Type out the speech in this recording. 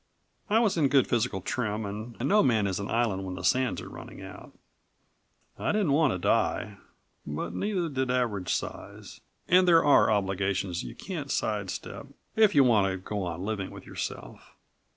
I was in good physical trim and no man is an island when the sands are running out. I didn't want to die, but neither did Average Size and there are obligations you can't sidestep if you want to go on living with yourself.